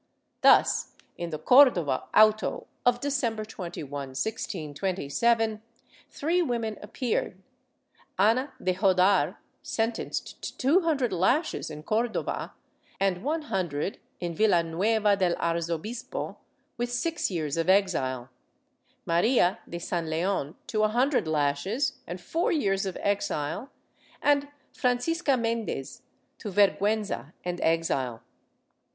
Thus, in the Cordova auto of December 21, 1627, three women appeared. Ana de Jodar, sentenced to two hundred lashes in Cordova and one hundred in Villanueva del Arzobispo, with six years of exile ; Maria de San Leon, to a hundred lashes and four years of exile and Francisca Mendez to vergiienza and exile.